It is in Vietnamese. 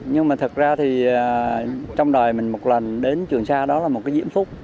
nhưng mà thật ra thì trong đời mình một lần đến trường sa đó là một cái giễn phúc